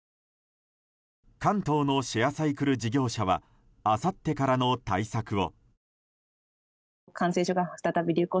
関東のシェアサイクル事業者はあさってからの対策を。